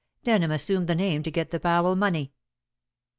Denham assumed the name to get the Powell money."